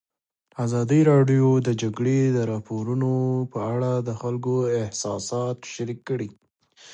ازادي راډیو د د جګړې راپورونه په اړه د خلکو احساسات شریک کړي.